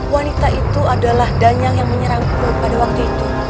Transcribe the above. wanita itu adalah danyang yang menyerangkul pada waktu itu